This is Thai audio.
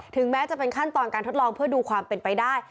แม้จะเป็นขั้นตอนการทดลองเพื่อดูความเป็นไปได้